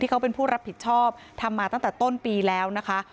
เขาเป็นผู้รับผิดชอบทำมาตั้งแต่ต้นปีแล้วนะคะ